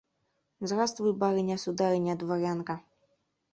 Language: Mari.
«Здравствуй, барыня-сударыня дворянка!